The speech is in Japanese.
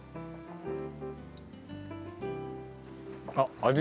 あっ味